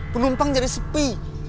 penumpang jadi sepi